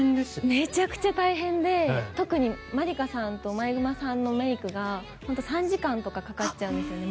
めちゃくちゃ大変で特にまりかさんと毎熊さんのメイクが本当に３時間ぐらいかかっちゃうんですね。